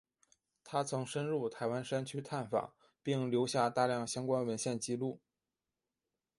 他曾深入台湾山区探访并留下大量相关文献纪录。